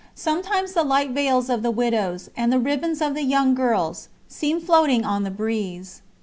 Sometimes the light veils of the widows, and the ribbons of the young girls, seem floating on the breeze.